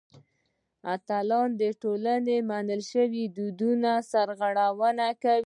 اتلان د ټولنې له منل شویو دودونو سرغړونه کوي.